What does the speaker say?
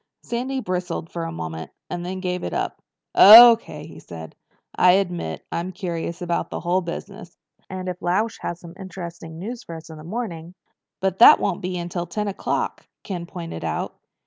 Sandy bristled for a moment and then gave it up. "O.K.," he said. "I admit I'm curious about the whole business. And if Lausch has some interesting news for us in the morning—" "But that won't be until ten o'clock," Ken pointed out.